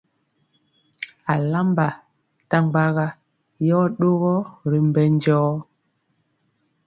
Alamba ntaɓaga yɔ ɗogɔ ri mbɛ jɔɔ.